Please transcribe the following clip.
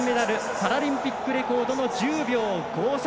パラリンピックレコードの１０秒５３。